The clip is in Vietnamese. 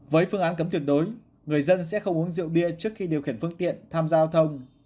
với phương án cấm tuyệt đối người dân sẽ không uống rượu bia trước khi điều khiển phương tiện tham gia giao thông